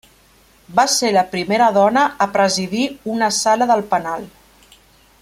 Va ser la primera dona a presidir una Sala del Penal.